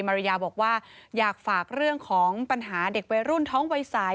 ริยาบอกว่าอยากฝากเรื่องของปัญหาเด็กวัยรุ่นท้องวัยสาย